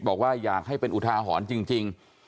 บอกว่าอยากให้เป็นอุทาหรณ์จริง